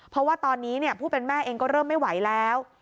เพราะว่าตอนนี้ผู้เป็นแม่เองก็เริ่มไม่ไหวแล้ว